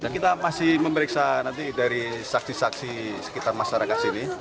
kita masih memeriksa nanti dari saksi saksi sekitar masyarakat sini